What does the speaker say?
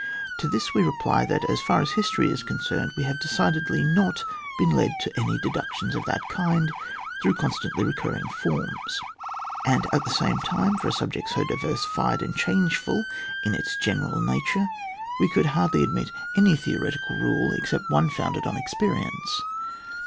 To this we reply that, as far as history is concerned, we have decidedly not been led to any deductions of that kind through constantly recurring forms; and at the same time, for a subject so diversified and changeful in its general nature, we could hardly admit any theo retical rule, except one founded on ex perience.